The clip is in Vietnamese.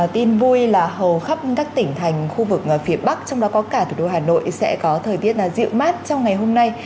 tin vui là hầu khắp các tỉnh thành khu vực phía bắc trong đó có cả thủ đô hà nội sẽ có thời tiết dịu mát trong ngày hôm nay